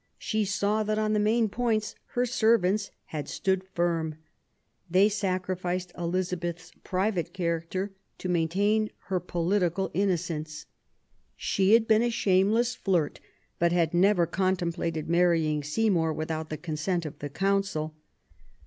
She saw that on the main points her servants had stood firm. They sacrificed Elizabeth's private character to maintain her poHtical innocence. She had been a shameless flirt, but had never contemplated marry ing Seymour without the consent of the Council.